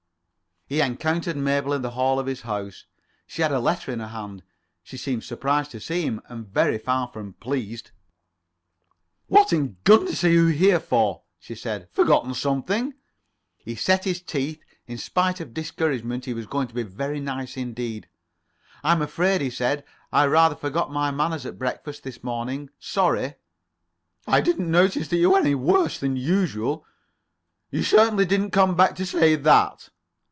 He encountered Mabel in the hall of his house. She had a letter in her hand. She seemed surprised to see him, and very far from pleased. "What in goodness are you here for?" she said. "Forgotten something?" He set his teeth. In spite of discouragement, he was going to be very nice indeed. "I am afraid," he said, "I rather forgot my manners at breakfast this morning. Sorry." "I didn't notice they were any worse than usual. You surely didn't come back to say that?"